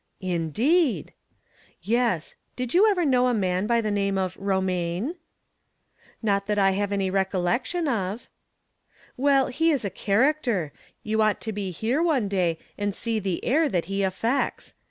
"Indeed!" " Yes. Did you ever know a man by the name of Romaine ?"" Not that I have any recollection of." 38 From Different Standpoints. " Well, he is a character. You ought to be here one day, and see the air that he affects.